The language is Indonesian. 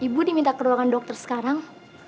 ibu diminta kerulangan dokter sekarang